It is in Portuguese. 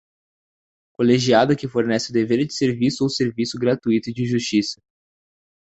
Colegiado que fornece o dever de serviço ou serviço gratuito de justiça.